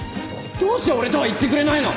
どうして俺とは行ってくれないの！？